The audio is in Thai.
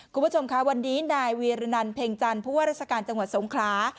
คุณผู้ชมค่ะวันนี้ดายวีรนันเพ็งจันผู้ต้นวจรัฐการณ์จสงขลา